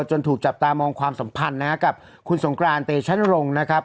ถูกจับตามองความสัมพันธ์นะครับกับคุณสงกรานเตชันรงค์นะครับ